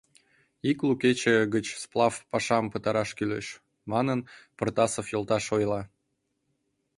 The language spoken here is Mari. — Ик лу кече гыч сплав пашам пытараш кӱлеш, — манын, Протасов йолташ ойла.